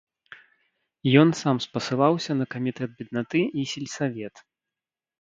Ён сам спасылаўся на камітэт беднаты і сельсавет.